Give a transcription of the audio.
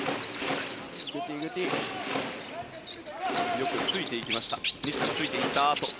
よくついていきました。